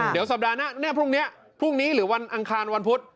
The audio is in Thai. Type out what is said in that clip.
เดี๋ยวสัปดาห์หน้าภรุณี้หรือวันอังคารวันพุธ